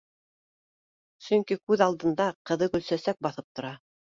Сөнки күҙ алдында ҡыҙы Гөлсә- сәк баҫып тора